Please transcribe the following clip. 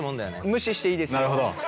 無視していいですよ。